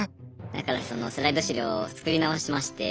だからそのスライド資料を作り直しまして。